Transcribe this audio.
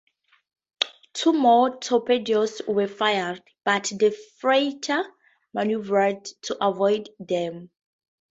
Two more torpedoes were fired, but the freighter maneuvered to avoid them.